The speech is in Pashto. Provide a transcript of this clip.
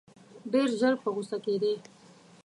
ډېر ژر په غوسه کېدی.